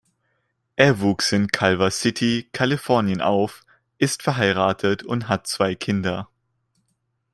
Er wuchs in Culver City, Kalifornien auf, ist verheiratet und hat zwei Kinder.